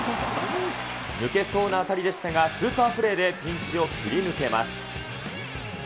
抜けそうな当たりでしたが、スーパープレーでピンチを切り抜けます。